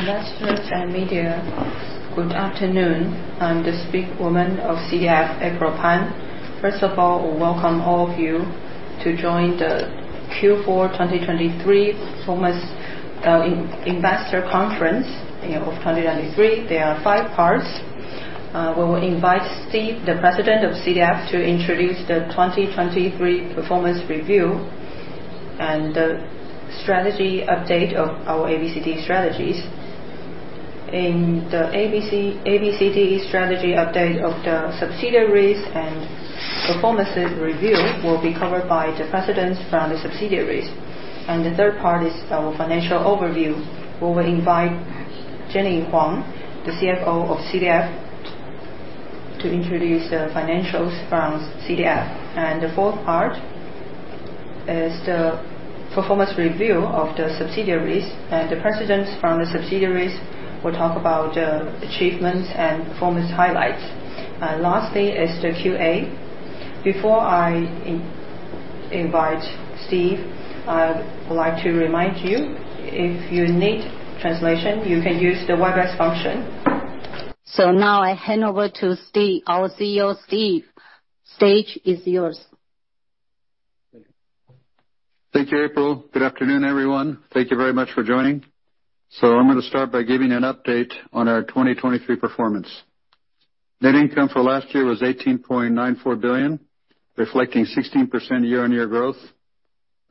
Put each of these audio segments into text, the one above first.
Investors and media, good afternoon. I'm the spokeswoman of CDF, April Pan. First of all, welcome all of you to join the Q4 2023 performance investor conference of 2023. There are five parts. We will invite Steve, the President of CDF, to introduce the 2023 performance review and the strategy update of our ABCDE strategies. In the ABCDE strategy update of the subsidiaries and performances review will be covered by the Presidents from the subsidiaries. The third part is our financial overview. We will invite Jenny Huang, the CFO of CDF, to introduce the financials from CDF. The fourth part is the performance review of the subsidiaries. The Presidents from the subsidiaries will talk about achievements and performance highlights. Lastly is the QA. Before I invite Steve, I would like to remind you, if you need translation, you can use the Webex function. Now I hand over to our CEO, Steve. Stage is yours. Thank you. Thank you, April. Good afternoon, everyone. Thank you very much for joining. I'm going to start by giving an update on our 2023 performance. Net income for last year was 18.94 billion, reflecting 16% year-on-year growth.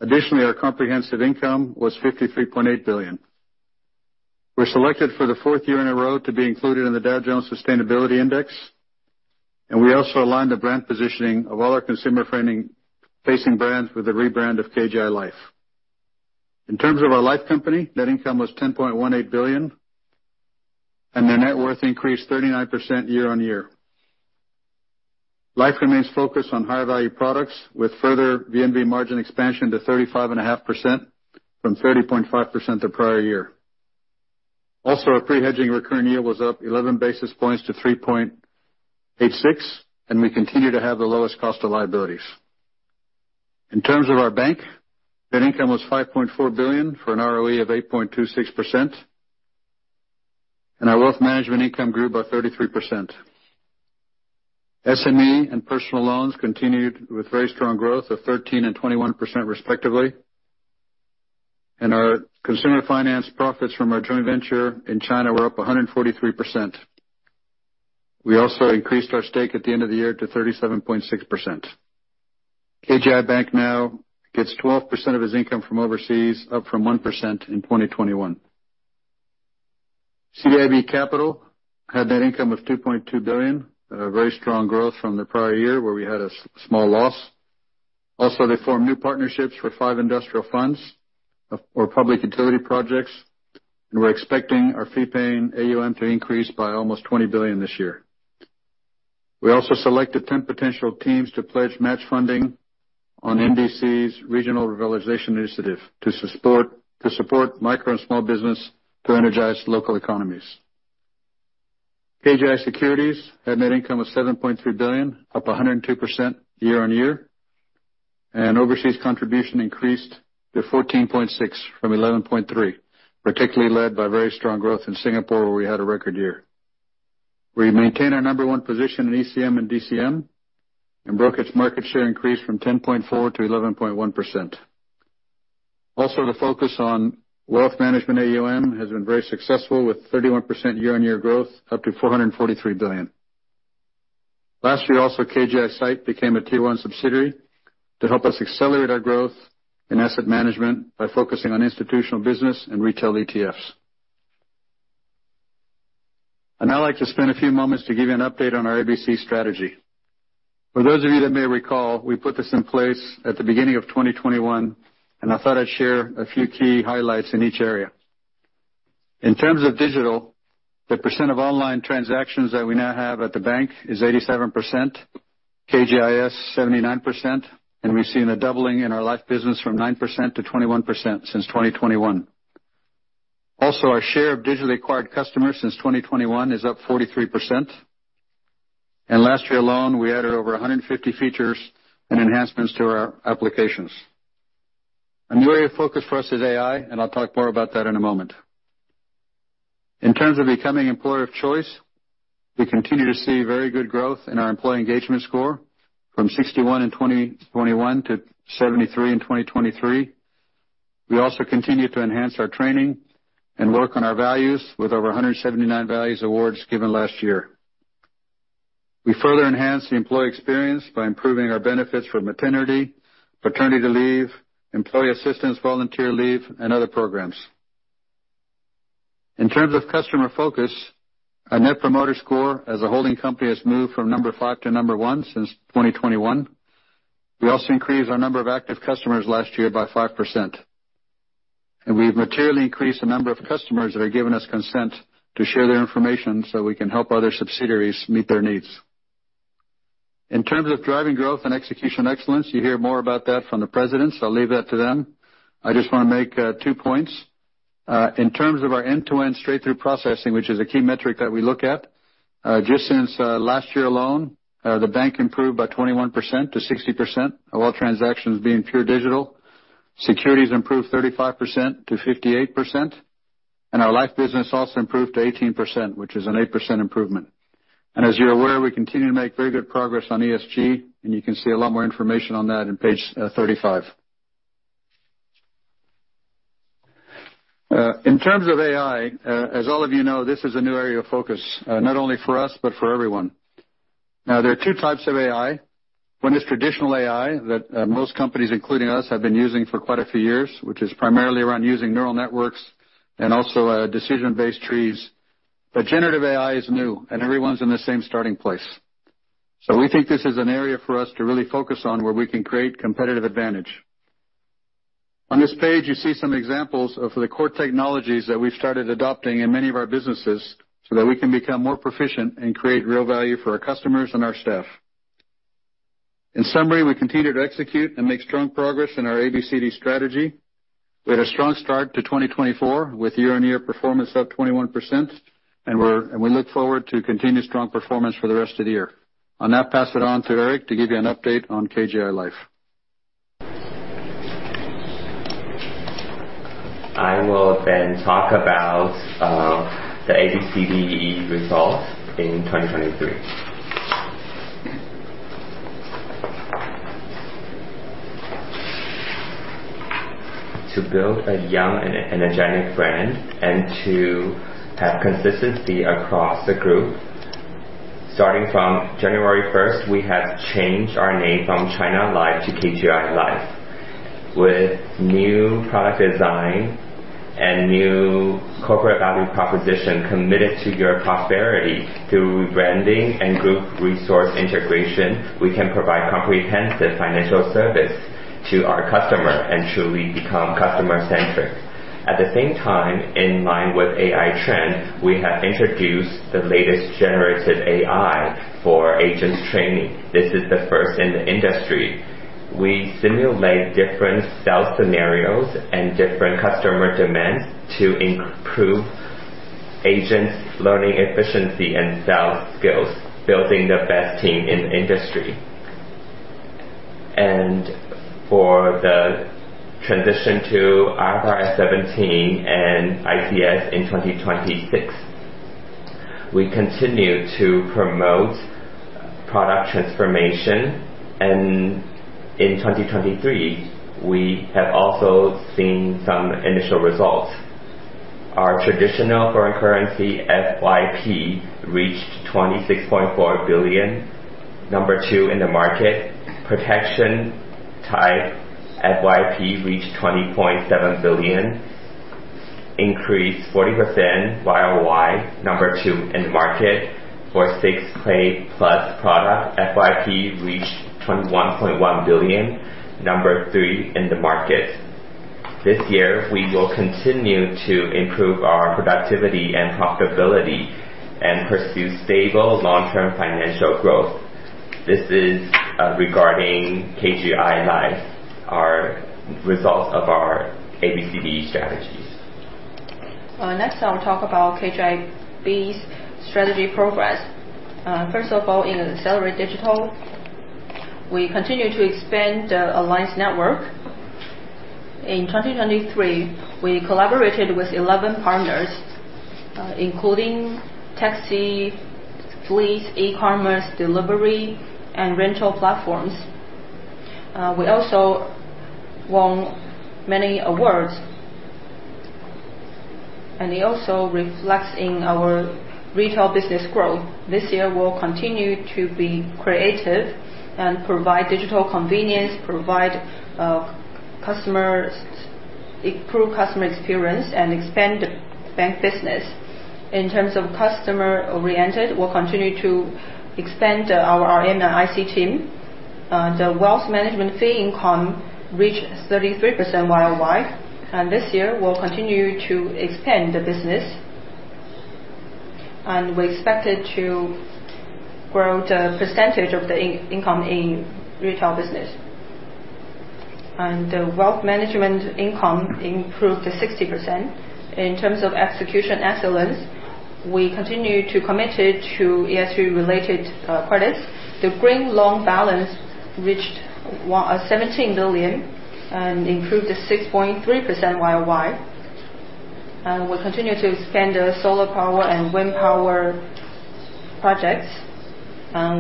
Additionally, our comprehensive income was 53.8 billion. We're selected for the fourth year in a row to be included in the Dow Jones Sustainability Index. We also aligned the brand positioning of all our consumer-facing brands with the rebrand of KGI Life. In terms of our life company, net income was 10.18 billion, and their net worth increased 39% year-on-year. Life remains focused on high-value products with further VNB margin expansion to 35.5% from 30.5% the prior year. Also, our pre-hedging recurring yield was up 11 basis points to 3.86%, and we continue to have the lowest cost of liabilities. In terms of our bank, net income was 5.4 billion for an ROE of 8.26%. Our wealth management income grew by 33%. SME and personal loans continued with very strong growth of 13% and 21% respectively. Our consumer finance profits from our joint venture in China were up 143%. We also increased our stake at the end of the year to 37.6%. KGI Bank now gets 12% of its income from overseas, up from 1% in 2021. CDIB Capital had net income of 2.2 billion, a very strong growth from the prior year where we had a small loss. Also, they formed new partnerships with five industrial funds or public utility projects, and we're expecting our fee-paying AUM to increase by almost 20 billion this year. We also selected 10 potential teams to pledge match funding on National Development Council’s Regional Revitalization Initiative to support micro and small business to energize local economies. KGI Securities had net income of 7.3 billion, up 102% year-on-year. Overseas contribution increased to 14.6 from 11.3, particularly led by very strong growth in Singapore, where we had a record year. We maintain our number one position in ECM and DCM, brokerage market share increased from 10.4% to 11.1%. The focus on wealth management AUM has been very successful with 31% year-on-year growth, up to 443 billion. Last year also, KGI SITE became a Tier 1 subsidiary to help us accelerate our growth in asset management by focusing on institutional business and retail ETFs. I’d like to spend a few moments to give you an update on our ABC strategy. For those of you that may recall, we put this in place at the beginning of 2021, I thought I’d share a few key highlights in each area. In terms of digital, the percent of online transactions that we now have at the bank is 87%, KGI Securities 79%, we’ve seen a doubling in our life business from 9% to 21% since 2021. Our share of digitally acquired customers since 2021 is up 43%. Last year alone, we added over 150 features and enhancements to our applications. A new area of focus for us is AI, I’ll talk more about that in a moment. In terms of becoming employer of choice, we continue to see very good growth in our employee engagement score from 61 in 2021 to 73 in 2023. We also continue to enhance our training and work on our values with over 179 values awards given last year. We further enhance the employee experience by improving our benefits for maternity, paternity leave, employee assistance, volunteer leave, and other programs. In terms of customer focus, our Net Promoter Score as a holding company has moved from number five to number one since 2021. We also increased our number of active customers last year by 5%. We’ve materially increased the number of customers that have given us consent to share their information so we can help other subsidiaries meet their needs. In terms of driving growth and execution excellence, you hear more about that from the presidents. I’ll leave that to them. I just want to make two points. In terms of our end-to-end straight-through processing, which is a key metric that we look at Just since last year alone, the bank improved by 21% to 60% of all transactions being pure digital. Securities improved 35% to 58%, our life business also improved to 18%, which is an 8% improvement. As you’re aware, we continue to make very good progress on ESG, you can see a lot more information on that on page 35. In terms of AI, as all of you know, this is a new area of focus, not only for us, but for everyone. There are two types of AI. One is traditional AI that most companies, including us, have been using for quite a few years, which is primarily around using neural networks and also decision-based trees. Generative AI is new, everyone’s in the same starting place. We think this is an area for us to really focus on where we can create competitive advantage. On this page, you see some examples of the core technologies that we've started adopting in many of our businesses so that we can become more proficient and create real value for our customers and our staff. In summary, we continue to execute and make strong progress in our ABCDE strategy. We had a strong start to 2024 with year-on-year performance up 21%, and we look forward to continued strong performance for the rest of the year. On that, pass it on to Eric to give you an update on KGI Life. I will talk about the ABCDE results in 2023. To build a young and energetic brand and to have consistency across the group. Starting from January 1st, we have changed our name from China Life to KGI Life. With new product design and new corporate value proposition committed to your prosperity through branding and group resource integration, we can provide comprehensive financial service to our customer and truly become customer-centric. At the same time, in line with AI trends, we have introduced the latest generative AI for agents training. This is the first in the industry. We simulate different sales scenarios and different customer demands to improve agents' learning efficiency and sales skills, building the best team in the industry. For the transition to IFRS 17 and ICS in 2026. We continue to promote product transformation, and in 2023, we have also seen some initial results. Our traditional foreign currency FYP reached 26.4 billion, number 2 in the market. Protection type FYP reached 20.7 billion, increased 40% YoY, number 2 in the market. For 6Pay plus product, FYP reached 21.1 billion, number 3 in the market. This year, we will continue to improve our productivity and profitability and pursue stable long-term financial growth. This is regarding KGI Life, results of our ABCDE strategies. I'll talk about KGIB's strategy progress. First of all, in accelerate digital, we continue to expand the alliance network. In 2023, we collaborated with 11 partners, including taxi, fleet, e-commerce, delivery, and rental platforms. We also won many awards. It also reflects in our retail business growth. This year, we'll continue to be creative and provide digital convenience, improve customer experience, and expand the bank business. In terms of customer-oriented, we'll continue to expand our RM&IC team. The wealth management fee income reached 33% YoY, and this year, we'll continue to expand the business, and we expected to grow the percentage of the income in retail business. The wealth management income improved to 60%. In terms of execution excellence, we continue to committed to ESG related credits. The green loan balance reached 17 billion and improved to 6.3% YoY. We continue to expand the solar power and wind power projects.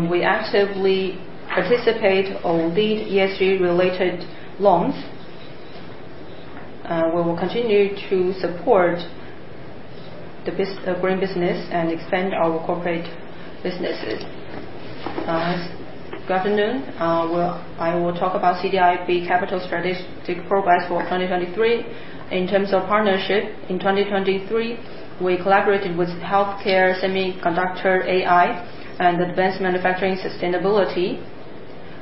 We actively participate on these ESG related loans. We will continue to support the green business and expand our corporate businesses. Good afternoon. I will talk about CDIB Capital strategic progress for 2023. In terms of partnership, in 2023, we collaborated with healthcare, semiconductor, AI, and advanced manufacturing sustainability,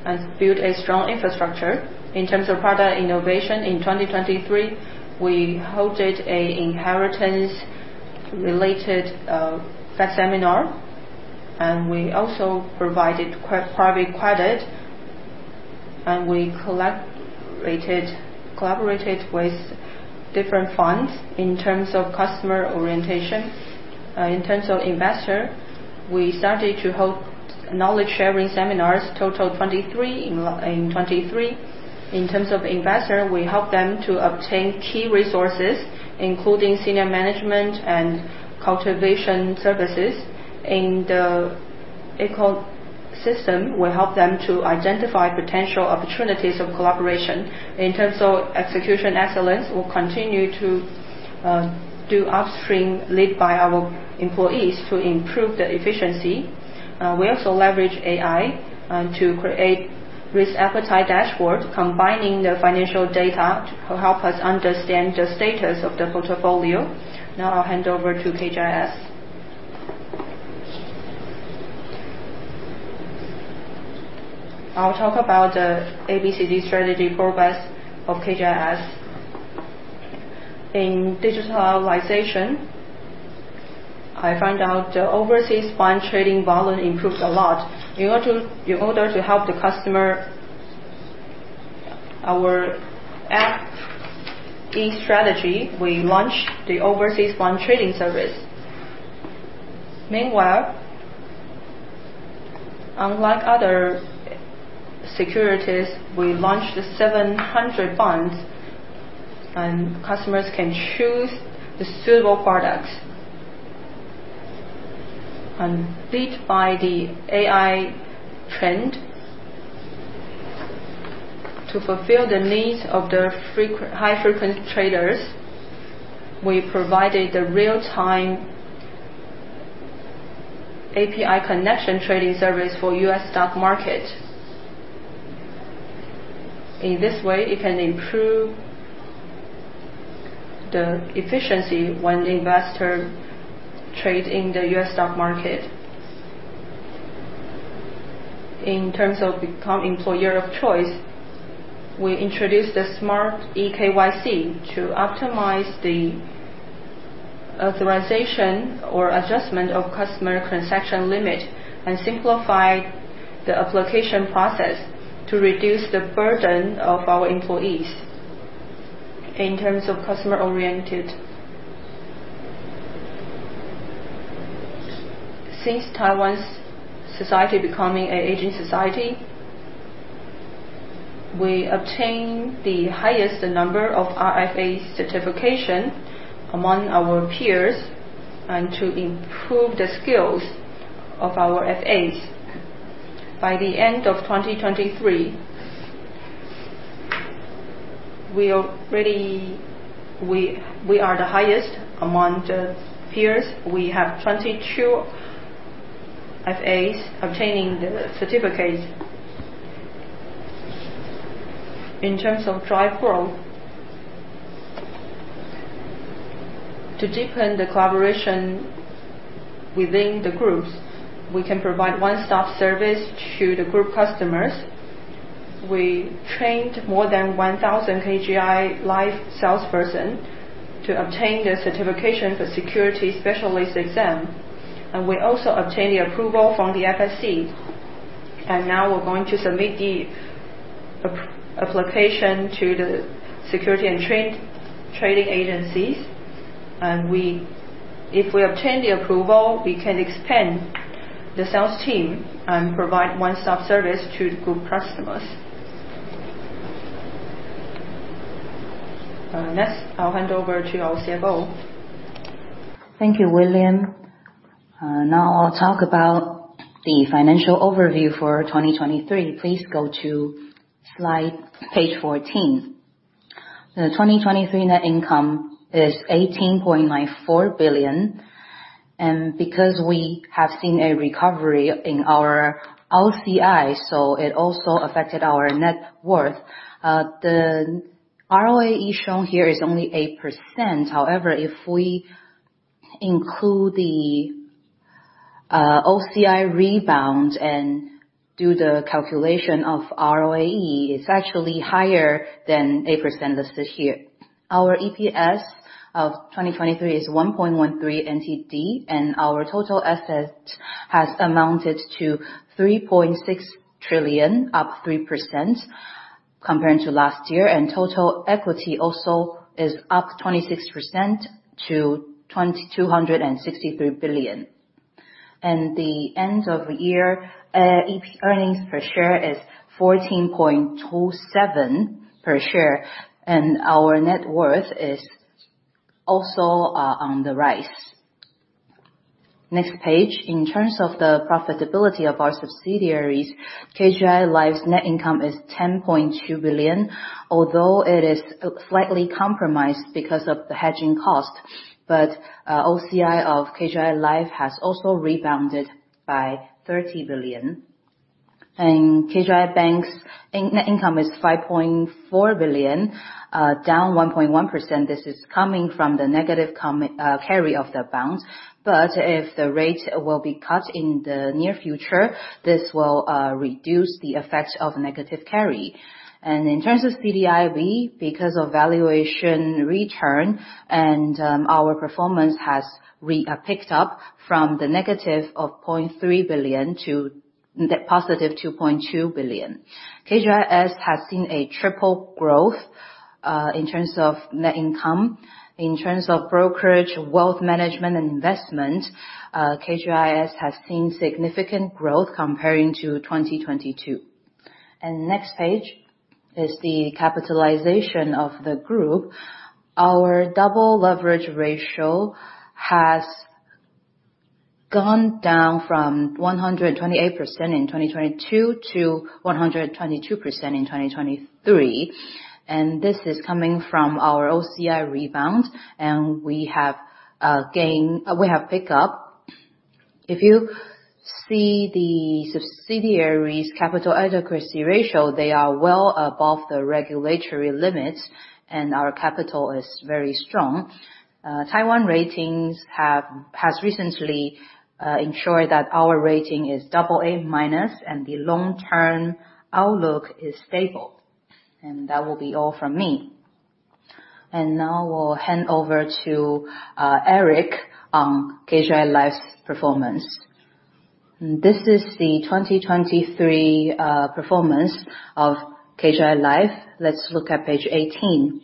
and built a strong infrastructure. In terms of product innovation, in 2023, we hosted an inheritance related seminar, and we also provided private credit. We collaborated with different funds in terms of customer orientation. In terms of investor, we started to hold knowledge-sharing seminars, total 23 in 2023. In terms of investor, we help them to obtain key resources, including senior management and cultivation services. The ecosystem will help them to identify potential opportunities of collaboration. In terms of execution excellence, we'll continue to do upstream led by our employees to improve the efficiency. We also leverage AI to create risk appetite dashboards, combining the financial data to help us understand the status of the portfolio. Now I'll hand over to KGIS. I'll talk about the ABCD strategy progress of KGIS. In digitalization, I found out the overseas bond trading volume improved a lot. In order to help the customer our FX strategy, we launched the overseas bond trading service. Meanwhile, unlike other securities, we launched 700 bonds, and customers can choose the suitable products. Beat by the AI trend, to fulfill the needs of the high-frequency traders, we provided the real-time API connection trading service for U.S. stock market. In this way, it can improve the efficiency when the investor trade in the U.S. stock market. In terms of become employer of choice, we introduced the smart eKYC to optimize the authorization or adjustment of customer transaction limit, and simplify the application process to reduce the burden of our employees. In terms of customer-oriented, since Taiwan's society becoming an aging society, we obtain the highest number of RFA certification among our peers, and to improve the skills of our FAs. By the end of 2023, we are the highest among the peers. We have 22 FAs obtaining the certificates. In terms of drive growth, to deepen the collaboration within the groups, we can provide one-stop service to the group customers. We trained more than 1,000 KGI Life salesperson to obtain the certification for securities specialist exam, and we also obtained the approval from the FSC. Now we're going to submit the application to the security and trading agencies. If we obtain the approval, we can expand the sales team and provide one-stop service to the group customers. Next, I'll hand over to our CFO. Thank you, Vivian. I'll talk about the financial overview for 2023. Please go to slide page 14. The 2023 net income is 18.94 billion. Because we have seen a recovery in our OCI, it also affected our net worth. The ROAE shown here is only 8%. However, if we include the OCI rebound and do the calculation of ROAE, it's actually higher than 8% listed here. Our EPS of 2023 is 1.13 NTD. Our total asset has amounted to 3.6 trillion, up 3% comparing to last year. Total equity also is up 26% to TWD 263 billion. The end of year earnings per share is 14.27 per share. Our net worth is also on the rise. Next page. In terms of the profitability of our subsidiaries, KGI Life's net income is 10.2 billion, although it is slightly compromised because of the hedging cost. OCI of KGI Life has also rebounded by 30 billion. KGI Bank's net income is 5.4 billion, down 1.1%. This is coming from the negative carry of the bonds. If the rate will be cut in the near future, this will reduce the effect of negative carry. In terms of CDIB, because of valuation return, our performance has picked up from the negative of 0.3 billion to positive 2.2 billion. KGIS has seen a triple growth in terms of net income. In terms of brokerage, wealth management, and investment, KGIS has seen significant growth comparing to 2022. Next page is the capitalization of the group. Our double leverage ratio has gone down from 128% in 2022 to 122% in 2023. This is coming from our OCI rebound. We have picked up. If you see the subsidiaries capital adequacy ratio, they are well above the regulatory limits. Our capital is very strong. Taiwan Ratings has recently ensured that our rating is double A minus. The long-term outlook is stable. That will be all from me. Now I will hand over to Eric on KGI Life's performance. This is the 2023 performance of KGI Life. Let's look at page 18.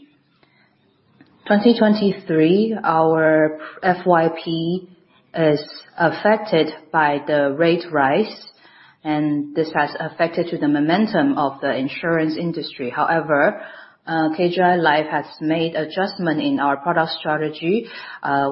2023, our FYP is affected by the rate rise. This has affected to the momentum of the insurance industry. However, KGI Life has made adjustment in our product strategy.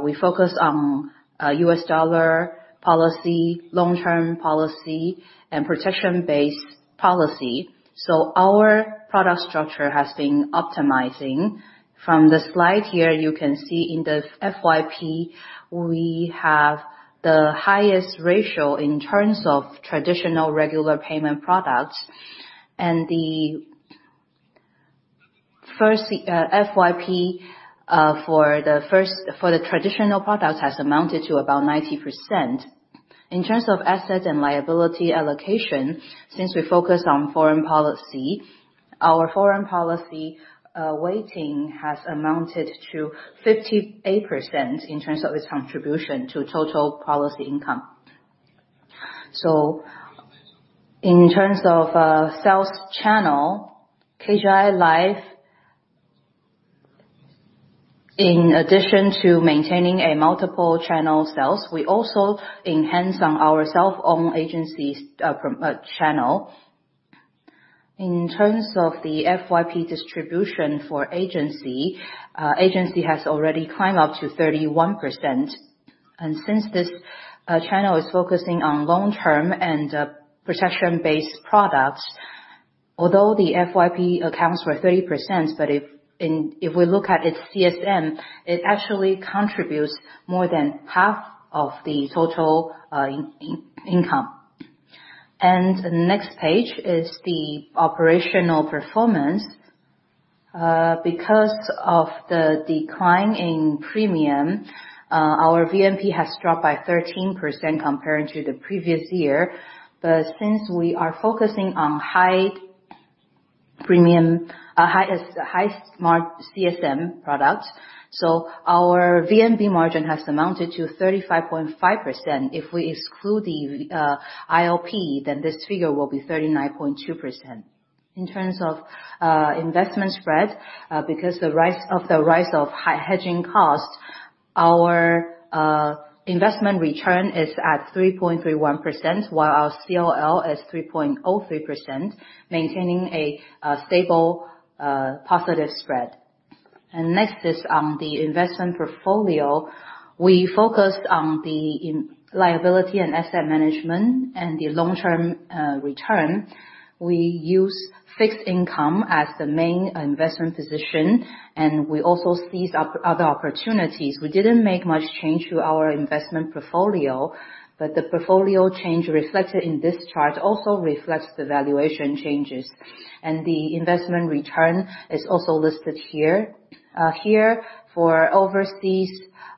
We focus on US dollar policy, long-term policy, and protection-based policy. Our product structure has been optimizing. From the slide here, you can see in the FYP, we have the highest ratio in terms of traditional regular payment products. The first FYP for the traditional product has amounted to about 90%. In terms of asset and liability allocation, since we focus on foreign policy, our foreign policy waiting has amounted to 58% in terms of its contribution to total policy income. In terms of sales channel, KGI Life, in addition to maintaining a multiple channel sales, we also enhance on our self-owned agencies channel. In terms of the FYP distribution for agency has already climbed up to 31%. Since this channel is focusing on long-term and protection-based products, although the FYP accounts for 30%, if we look at its CSM, it actually contributes more than half of the total income. The next page is the operational performance. Because of the decline in premium, our VMP has dropped by 13% comparing to the previous year. Since we are focusing on high margin CSM products, our VNB margin has amounted to 35.5%. If we exclude the IOP, this figure will be 39.2%. In terms of investment spread, because of the rise of hedging costs, our investment return is at 3.31%, while our COL is 3.03%, maintaining a stable positive spread. Next is on the investment portfolio. We focused on the liability and asset management and the long-term return. We use fixed income as the main investment position, and we also seize other opportunities. We didn't make much change to our investment portfolio, but the portfolio change reflected in this chart also reflects the valuation changes. The investment return is also listed here. Here, for overseas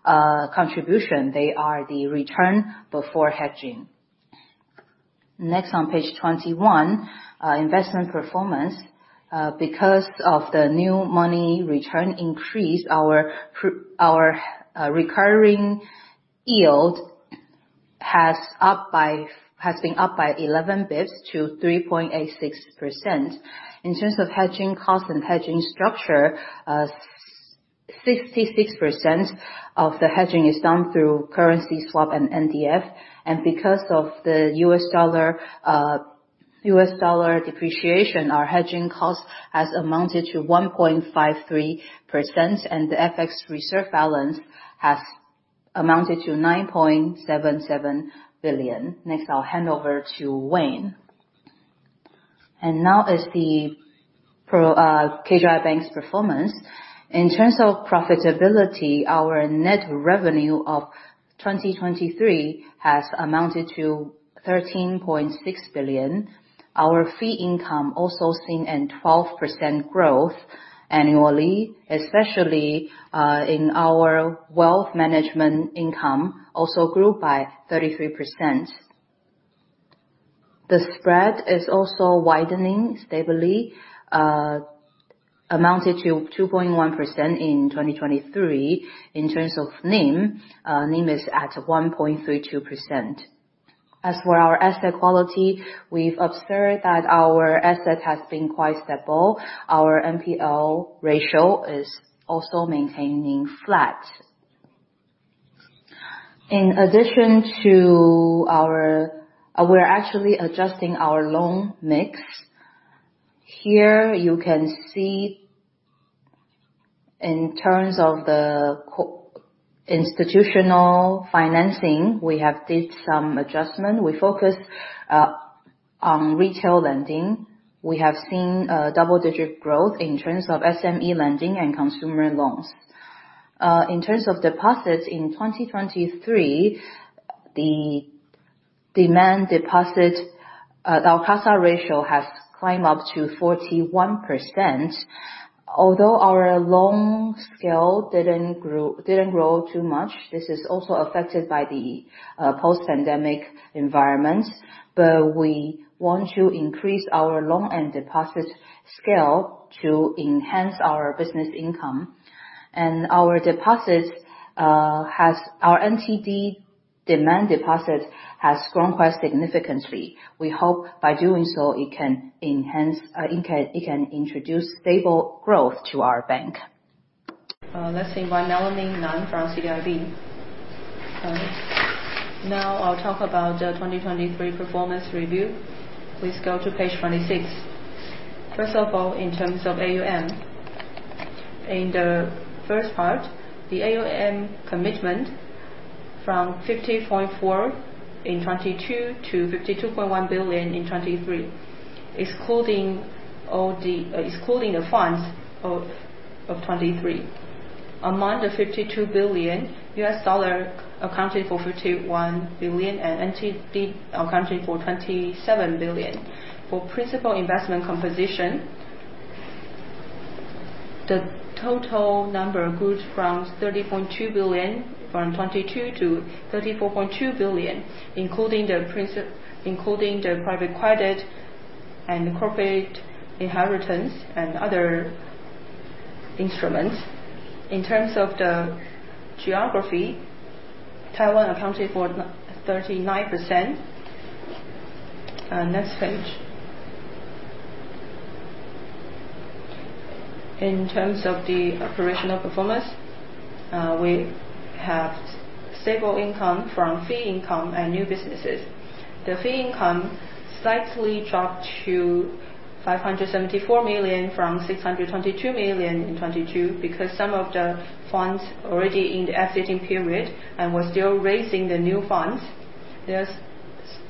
contribution, they are the return before hedging. Next on page 21, investment performance. Because of the new money return increase, our recurring yield has been up by 11 basis points to 3.86%. In terms of hedging cost and hedging structure, 66% of the hedging is done through currency swap and NDF. Because of the U.S. dollar depreciation, our hedging cost has amounted to 1.53%, and the FX reserve balance has amounted to 9.77 billion. Next, I'll hand over to Wayne. Now is the KGI Bank's performance. In terms of profitability, our net revenue of 2023 has amounted to 13.6 billion. Our fee income also seen a 12% growth annually, especially in our wealth management income, also grew by 33%. The spread is also widening stably, amounted to 2.1% in 2023. In terms of NIM is at 1.32%. As for our asset quality, we've observed that our asset has been quite stable. Our NPL ratio is also maintaining flat. In addition, we are actually adjusting our loan mix. Here you can see in terms of the institutional financing, we have did some adjustment. We focus on retail lending. We have seen double-digit growth in terms of SME lending and consumer loans. In terms of deposits in 2023, the demand deposit, our CASA ratio has climbed up to 41%. Although our loan scale didn't grow too much. This is also affected by the post-pandemic environment. We want to increase our loan and deposit scale to enhance our business income. Our NTD demand deposit has grown quite significantly. We hope by doing so, it can introduce stable growth to our bank. Let's invite Melanie Nan from CDIB. The 2023 performance review. Please go to page 26. First of all, in terms of AUM. In the first part, the AUM commitment from 50.4 billion in 2022 to 52.1 billion in 2023, excluding the funds of 2023. Among the 52 billion, USD accounted for 51 billion, and NTD accounted for 27 billion. For principal investment composition, the total number grew from 30.2 billion from 2022 to 34.2 billion, including the private credit and corporate inheritance and other instruments. In terms of the geography, Taiwan accounted for 39%. Next page. In terms of the operational performance, we have stable income from fee income and new businesses. The fee income slightly dropped to 574 million from 622 million in 2022 because some of the funds already in the exiting period, and we are still raising the new funds.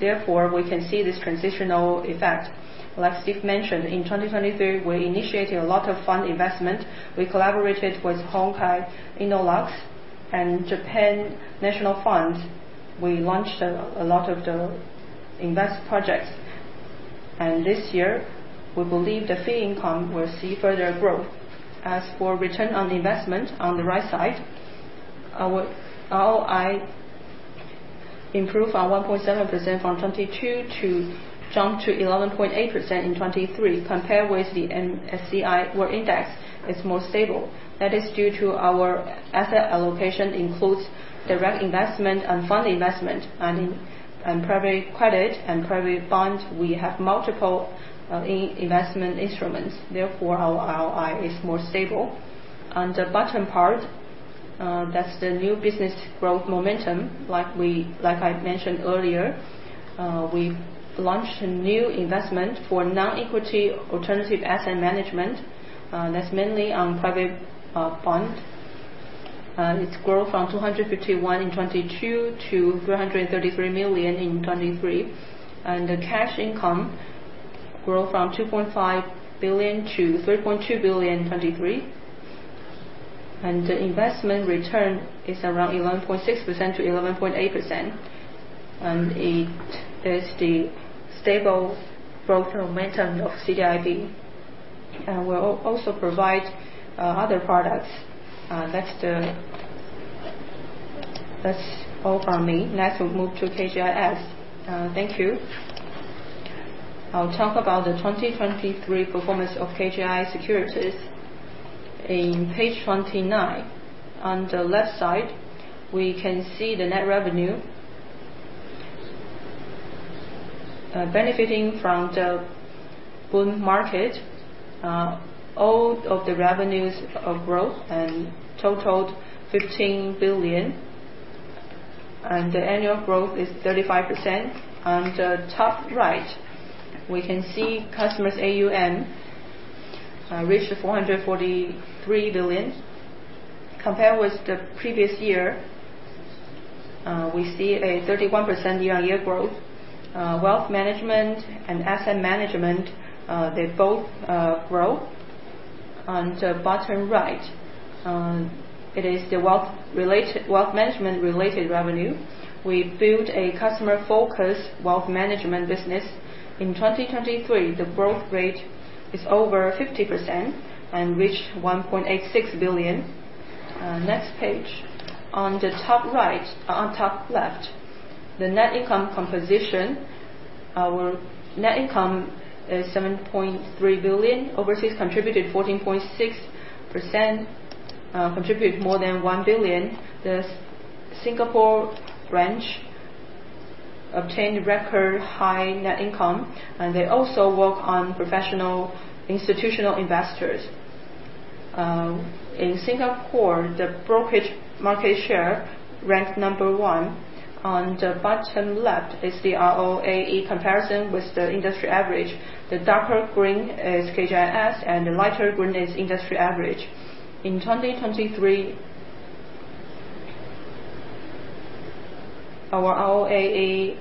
Therefore, we can see this transitional effect. Like Steve mentioned, in 2023, we initiated a lot of fund investment. We collaborated with Hongkai Innolux and Japan National Fund. We launched a lot of the invest projects. This year, we believe the fee income will see further growth. As for return on investment, on the right side, ROI improved from 1.7% from 2022 to 11.8% in 2023, compared with the MSCI World Index, is more stable. That is due to our asset allocation includes direct investment and fund investment, and in private credit and private fund, we have multiple investment instruments. Therefore, our ROI is more stable. On the bottom part, that is the new business growth momentum. Like I mentioned earlier, we launched a new investment for non-equity alternative asset management. That is mainly on private bond. It has grown from 251 million in 2022 to 333 million in 2023. The cash income grew from 2.5 billion to 3.2 billion in 2023. The investment return is around 11.6%-11.8%, and it is the stable growth momentum of CDIB. We also provide other products. That is all from me. Next, we will move to KGIS. Thank you. I will talk about the 2023 performance of KGI Securities in page 29. On the left side, we can see the net revenue. Benefiting from the boom market, all of the revenues of growth and totaled 15 billion, the annual growth is 35%. On the top right, we can see customers' AUM reached 443 billion. Compared with the previous year, we see a 31% year-on-year growth. Wealth management and asset management, they both grow. On the bottom right, it is the wealth management related revenue. We built a customer-focused wealth management business. In 2023, the growth rate is over 50% and reached 1.86 billion. Next page. On the top-left, the net income composition. Our net income is 7.3 billion. Overseas contributed 14.6%, contributed more than 1 billion. The Singapore branch obtained record high net income, and they also work on professional institutional investors. In Singapore, the brokerage market share ranked number 1. On the bottom left is the ROAE comparison with the industry average. The darker green is KGIS, and the lighter green is industry average. In 2023, our ROAE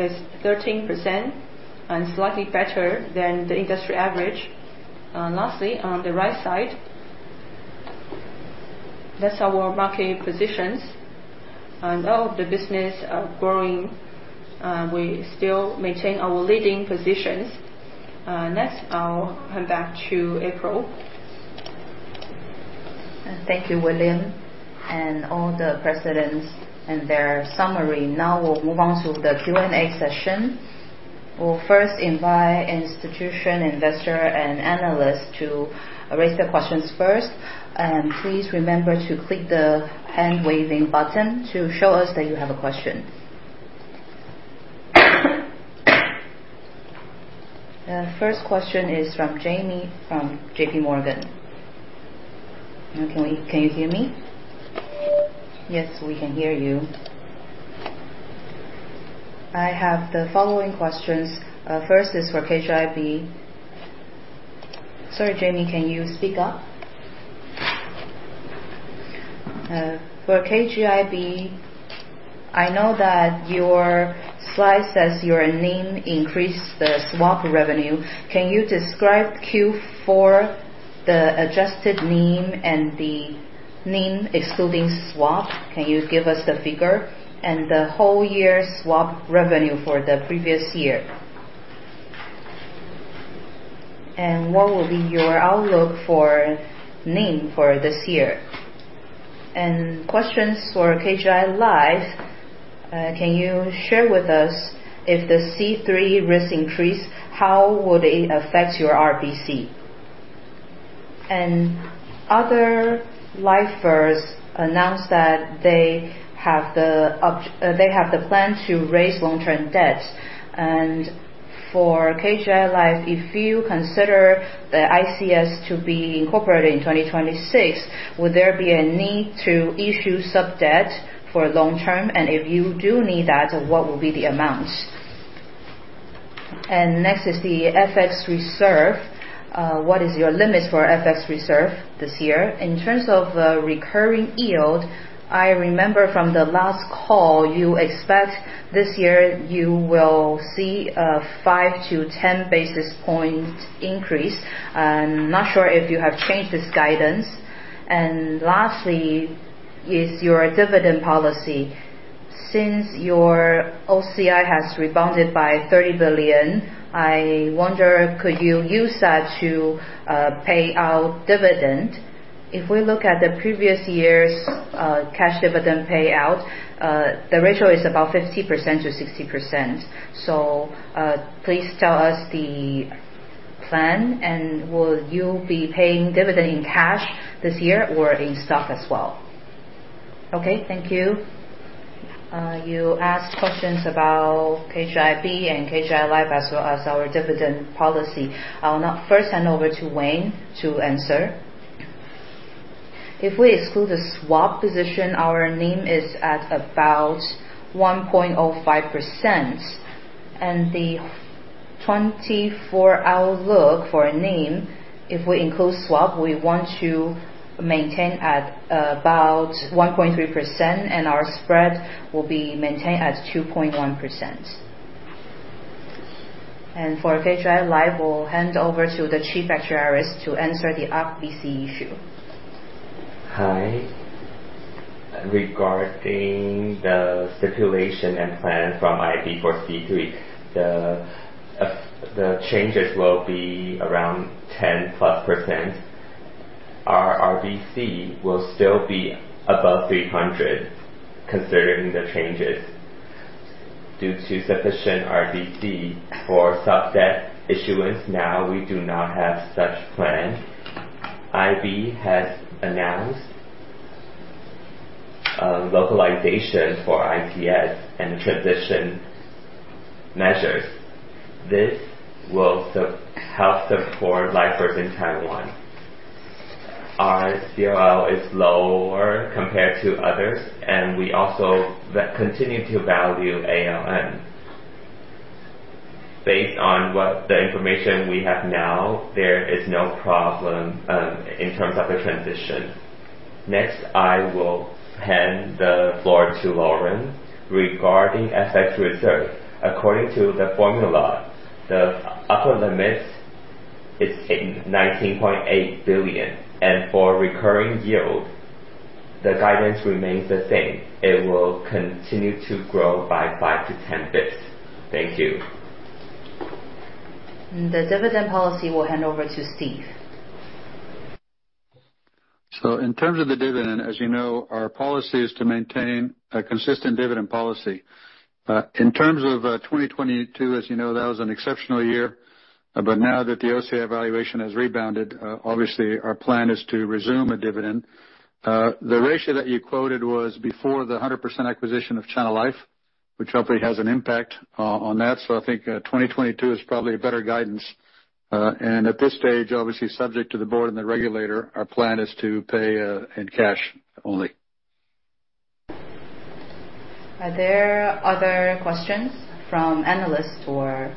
is 13% and slightly better than the industry average. Lastly, on the right side, that's our market positions. All of the business are growing. We still maintain our leading positions. Next, I'll hand back to April. Thank you, William, and all the presidents and their summary. Now we'll move on to the Q&A session. We'll first invite institution investor and analyst to raise their questions first. Please remember to click the hand-waving button to show us that you have a question. The first question is from Jamie from J.P. Morgan. Can you hear me? Yes, we can hear you. I have the following questions. First is for KGIB. Sorry, Jamie, can you speak up? For KGIB, I know that your slide says your NIM increased the swap revenue. Can you describe Q4, the adjusted NIM and the NIM excluding swap? Can you give us the figure and the whole year swap revenue for the previous year? What will be your outlook for NIM for this year? Questions for KGI Life. Can you share with us if the C3 risk increase, how would it affect your RBC? Other lifers announced that they have the plan to raise long-term debt. For KGI Life, if you consider the ICS to be incorporated in 2026, would there be a need to issue sub-debt for long term? If you do need that, what will be the amount? Next is the FX reserve. What is your limit for FX reserve this year? In terms of the recurring yield, I remember from the last call, you expect this year you will see a 5 to 10 basis point increase. I'm not sure if you have changed this guidance. Lastly is your dividend policy. Since your OCI has rebounded by 30 billion, I wonder, could you use that to pay out dividend? If we look at the previous year's cash dividend payout, the ratio is about 50%-60%. Please tell us the plan, and will you be paying dividend in cash this year or in stock as well? Okay, thank you. You asked questions about KGIB and KGI Life as well as our dividend policy. I will now first hand over to Wayne to answer. If we exclude the swap position, our NIM is at about 1.05%. The 2024 outlook for NIM, if we include swap, we want to maintain at about 1.3%, and our spread will be maintained at 2.1%. For KGI Life, we'll hand over to the chief actuaries to answer the RBC issue. Hi. Regarding the situation and plan from IB for C3, the changes will be around 10+%. Our RBC will still be above 300 considering the changes. Due to sufficient RBC for sub-debt issuance, now we do not have such plan. IB has announced localization for ICS and transition measures. This will help support lifers in Taiwan. Our COL is lower compared to others, and we also continue to value AON. Based on the information we have now, there is no problem in terms of the transition. Next, I will hand the floor to Lauren regarding FX reserve. According to the formula, the upper limits is 19.8 billion, and for recurring yield, the guidance remains the same. It will continue to grow by 5 to 10 basis points. Thank you. The dividend policy, we'll hand over to Steve. In terms of the dividend, as you know, our policy is to maintain a consistent dividend policy. In terms of 2022, as you know, that was an exceptional year. Now that the OCA valuation has rebounded, obviously, our plan is to resume a dividend. The ratio that you quoted was before the 100% acquisition of Chinalife, which hopefully has an impact on that. I think 2022 is probably a better guidance. At this stage, obviously subject to the board and the regulator, our plan is to pay in cash only. Are there other questions from analysts or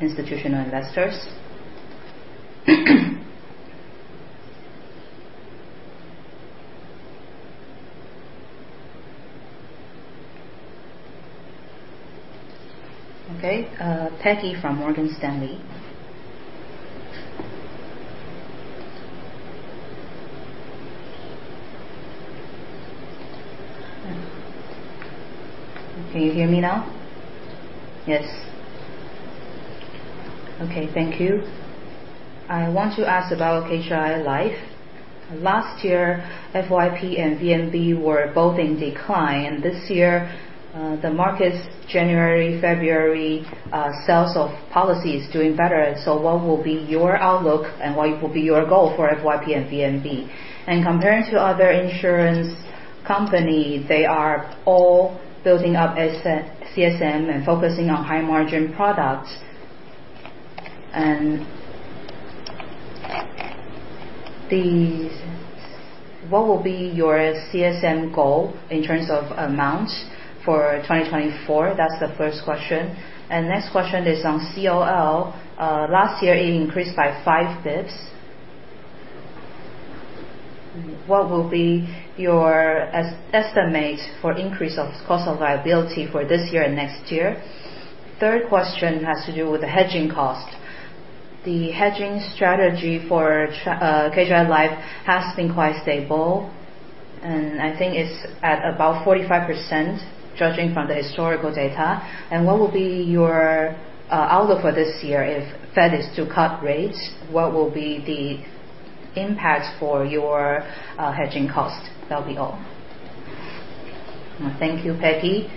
institutional investors? Okay, Peggy from Morgan Stanley. Can you hear me now? Yes. Okay. Thank you. I want to ask about KGI Life. Last year, FYP and VNB were both in decline. This year, the market's January, February sales of policies doing better. What will be your outlook and what will be your goal for FYP and VNB? Comparing to other insurance companies, they are all building up CSM and focusing on high-margin products. What will be your CSM goal in terms of amount for 2024? That's the first question. Next question is on COL. Last year, it increased by five basis points. What will be your estimate for increase of cost of liability for this year and next year? Third question has to do with the hedging cost. The hedging strategy for KGI Life has been quite stable, I think it's at about 45%, judging from the historical data. What will be your outlook for this year if Fed is to cut rates? What will be the impact for your hedging cost? That'll be all. Thank you, Peggy.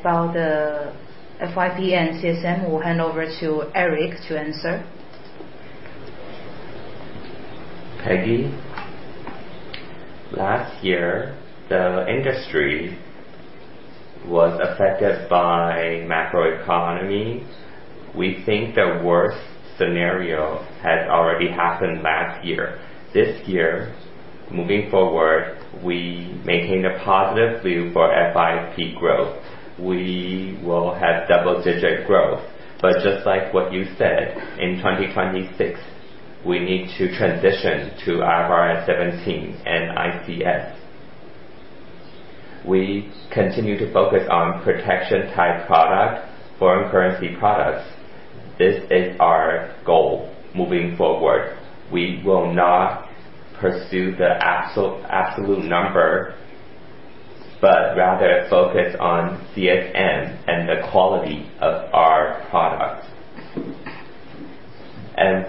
About the FYP and CSM, we'll hand over to Eric to answer. Peggy, last year, the industry was affected by macroeconomy. We think the worst scenario had already happened last year. This year, moving forward, we maintain a positive view for FYP growth. We will have double-digit growth, but just like what you said, in 2026, we need to transition to IFRS 17 and ICS. We continue to focus on protection-type product, foreign currency products. This is our goal moving forward. We will not pursue the absolute number, but rather focus on CSM and the quality of our products.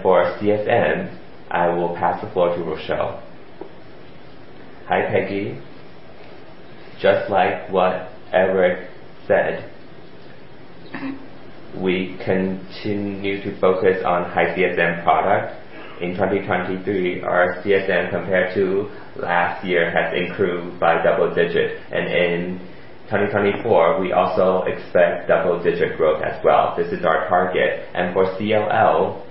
For CSM, I will pass the floor to Rochelle. Hi, Peggy. Just like what Eric said, we continue to focus on high CSM product. In 2023, our CSM compared to last year has improved by double-digit. In 2024, we also expect double-digit growth as well. This is our target. For COL, to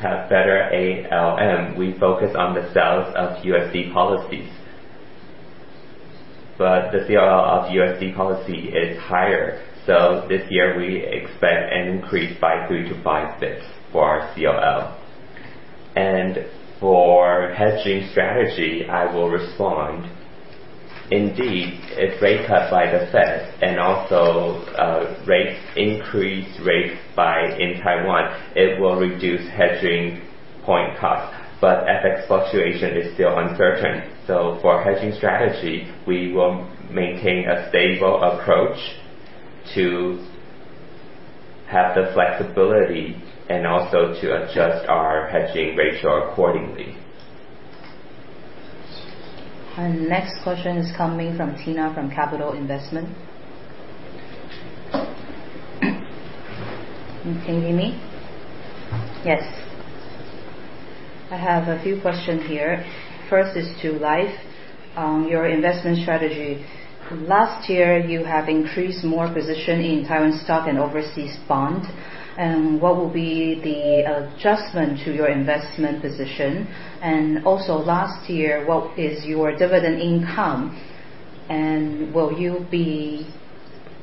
have better ALM, we focus on the sales of USD policies. The COL of USD policy is higher, this year we expect an increase by three to five basis points for our COL. For hedging strategy, I will respond. Indeed, if rate cut by the Fed and also increase rates in Taiwan, it will reduce hedging point cost. FX fluctuation is still uncertain. For hedging strategies, we will maintain a stable approach to have the flexibility and also to adjust our hedging ratio accordingly. Our next question is coming from Tina, from Capital Investment. Can you hear me? Yes. I have a few questions here. First is to Life, your investment strategy. Last year, you have increased more position in Taiwan stock and overseas bond. What will be the adjustment to your investment position? Also last year, what is your dividend income? Will you be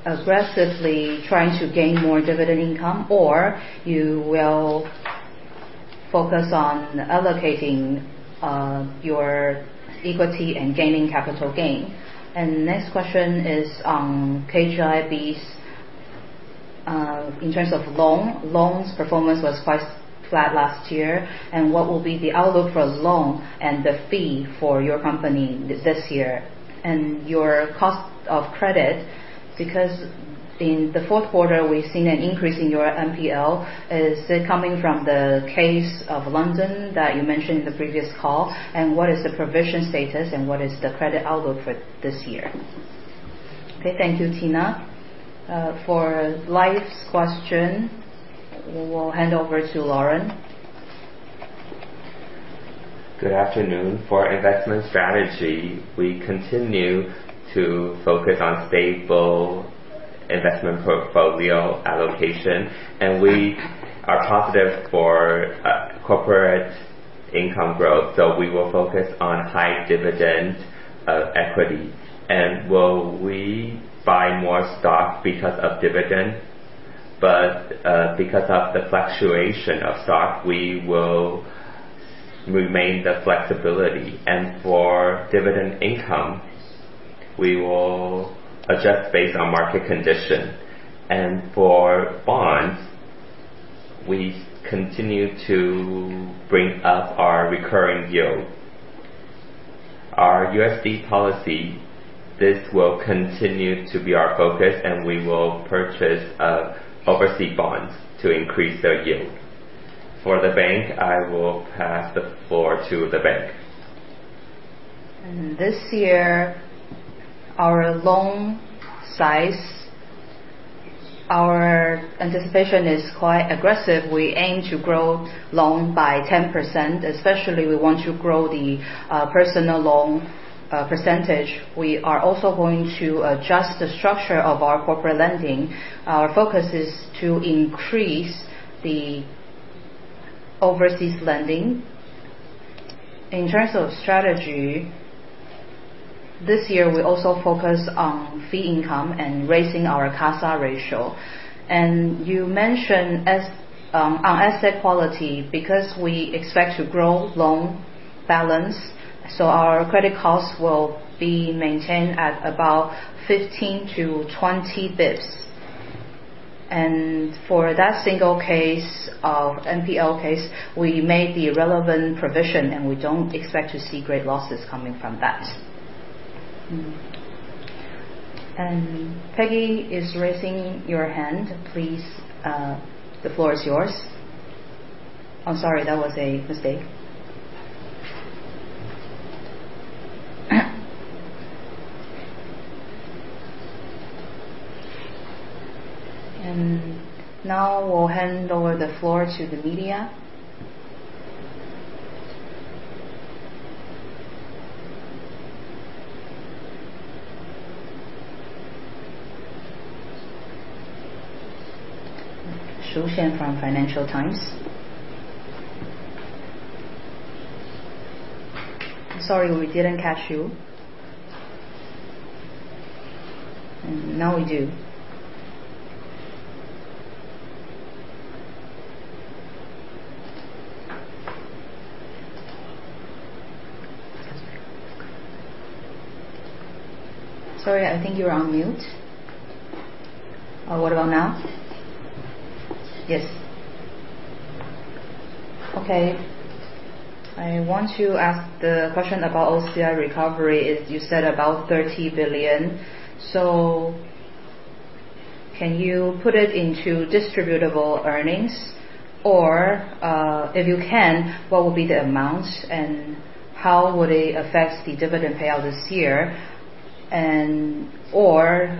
aggressively trying to gain more dividend income, or you will focus on allocating your equity and gaining capital gain? Next question is on KGIB's In terms of loans performance was quite flat last year. What will be the outlook for loans and the fee for your company this year? Your cost of credit, because in the fourth quarter we've seen an increase in your NPL. Is it coming from the case of London that you mentioned in the previous call? What is the provision status and what is the credit outlook for this year? Okay. Thank you, Tina. For KGI Life's question, we'll hand over to Lauren. Good afternoon. For investment strategy, we continue to focus on stable investment portfolio allocation. We are positive for corporate income growth, so we will focus on high dividend equity. Will we buy more stock because of dividends? Because of the fluctuation of stock, we will remain the flexibility. For dividend income, we will adjust based on market condition. For bonds, we continue to bring up our recurring yield. Our USD policy, this will continue to be our focus, and we will purchase overseas bonds to increase their yield. For the bank, I will pass the floor to the bank. This year, our loan size, our anticipation is quite aggressive. We aim to grow loans by 10%, especially we want to grow the personal loan percentage. We are also going to adjust the structure of our corporate lending. Our focus is to increase the overseas lending. In terms of strategy, this year, we also focus on fee income and raising our CASA ratio. You mentioned our asset quality, because we expect to grow loan balance, so our credit costs will be maintained at about 15 to 20 basis points. For that single case of NPL case, we made the relevant provision, and we don't expect to see great losses coming from that. Peggy is raising your hand. Please, the floor is yours. I'm sorry, that was a mistake. Now we'll hand over the floor to the media. Shu Xian from Financial Times. I'm sorry, we didn't catch you. Now we do. Sorry, I think you're on mute. What about now? Yes. Okay. I want to ask the question about OCI recovery, you said about 30 billion. Can you put it into distributable earnings? If you can, what will be the amount, and how will it affect the dividend payout this year?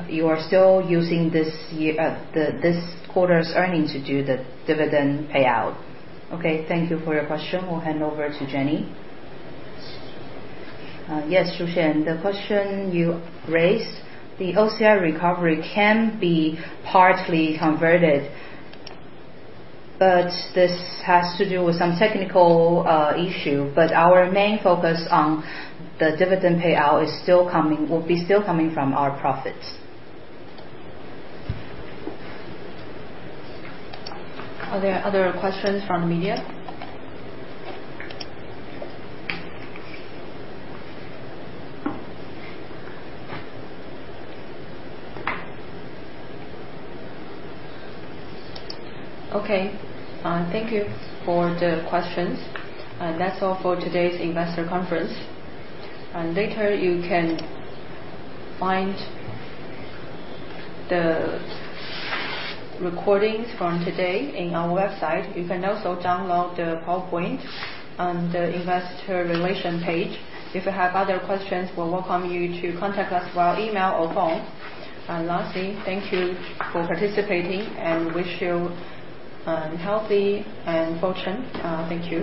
You are still using this quarter's earnings to do the dividend payout? Okay, thank you for your question. We'll hand over to Jenny. Yes, Shu Xian, the question you raised. The OCI recovery can be partly converted, but this has to do with some technical issue. Our main focus on the dividend payout will be still coming from our profits. Are there other questions from the media? Okay. Thank you for the questions. That's all for today's investor conference. Later, you can find the recordings from today on our website. You can also download the PowerPoint on the investor relation page. If you have other questions, we welcome you to contact us via email or phone. Lastly, thank you for participating, and wish you healthy and fortune. Thank you